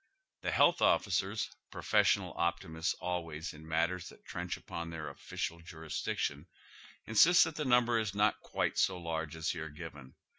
The health officers, professional optimists always in matters that trench upon their official jurisdiction, insist that the number is not quite so large as here given.